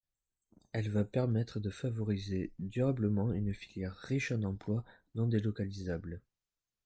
Elle va permettre de favoriser durablement une filière riche en emplois non délocalisables.